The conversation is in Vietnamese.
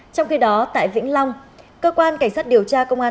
trong khi đó tại vĩnh long cơ quan cảnh sát điều tra công an